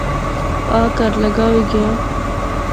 اہ کہھر لگا ہوئی گیا